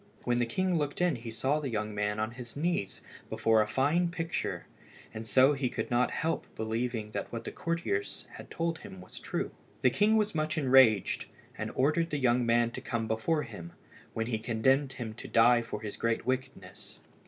When the king looked in he saw the young man on his knees before a fine picture, and so he could not help believing that what the courtiers had told him was true. The king was much enraged, and ordered the young man to come before him, when he condemned him to die for his great wickedness.